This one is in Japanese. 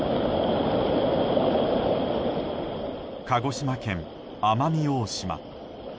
鹿児島県奄美大島。